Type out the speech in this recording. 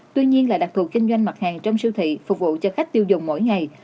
tuy nhiên là đặc thù kinh doanh mặt hàng trong siêu thị phục vụ cho khách tiêu dùng mỗi ngày